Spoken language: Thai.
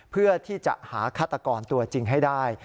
เพื่อที่จะหาฆาตกรตัวจริงให้ได้